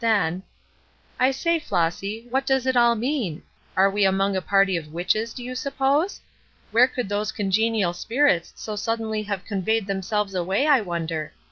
Then: "I say, Flossy, what does it all mean? Are we among a party of witches, do you suppose? Where could those congenial spirits so suddenly have conveyed themselves away, I wonder?